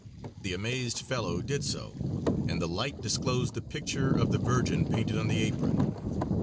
The amazed fellow did so, and the light disclosed the picture of the Virgin painted on the apron.